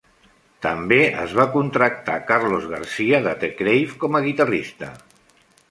També es va contractar Carlos García de The Crave com a guitarrista.